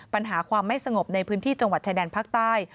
ปัญหาความไม่สงบในพื้นที่จังหวัดชายแดนภาคใต้